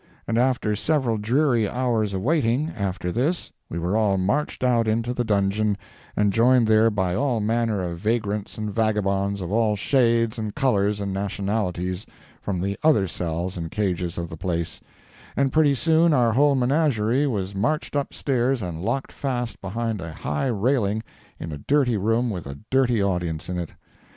And after several dreary hours of waiting, after this, we were all marched out into the dungeon and joined there by all manner of vagrants and vagabonds, of all shades and colors and nationalities, from the other cells and cages of the place; and pretty soon our whole menagerie was marched up stairs and locked fast behind a high railing in a dirty room with a dirty audience in it.